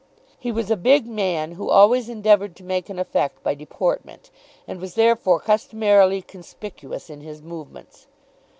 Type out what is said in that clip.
He was a big man, who always endeavoured to make an effect by deportment, and was therefore customarily conspicuous in his movements.